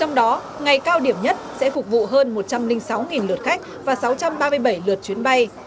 trong đó ngày cao điểm nhất sẽ phục vụ hơn một trăm linh sáu lượt khách và sáu trăm ba mươi bảy lượt chuyến bay